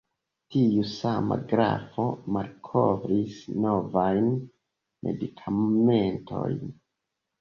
Tiu sama grafo malkovris novajn medikamentojn.